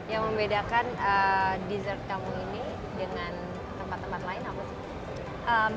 yang membedakan dessert kamu ini dengan tempat tempat lain apa sih